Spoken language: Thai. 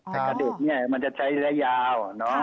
แต่กับเด็กมันจะใช้ได้ยาว